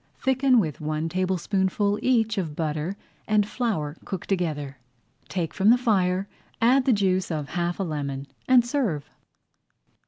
Thicken with one tablespoonful each of butter and flour cooked together. Take from the fire, add the juice of half a lemon, and serve.